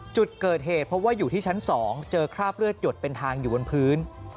จุดเกิดเหตุเพราะว่าอยู่ที่ชั้น๒เจอคราบเลือดหยดเป็นทางอยู่บนพื้น